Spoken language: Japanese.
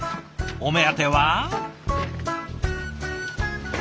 お目当ては？